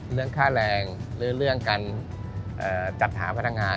เรื่องค่าแรงหรือเรื่องการจัดหาพนักงาน